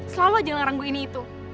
selalu aja ngarang gue ini itu